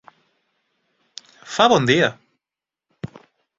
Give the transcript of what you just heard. Fa bon dia.